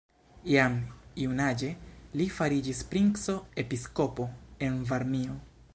Jam junaĝe li fariĝis princo-episkopo en Varmio.